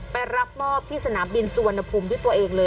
ไปรับมอบที่สนามบินสวนภูมิทัวร์เองเลย